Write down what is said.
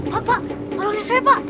papa kalau ini siapa